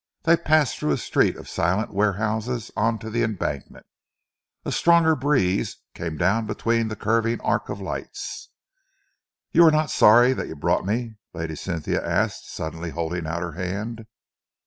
They passed through a street of silent warehouses on to the Embankment. A stronger breeze came down between the curving arc of lights. "You are not sorry that you brought me?" Lady Cynthia asked, suddenly holding out her hand.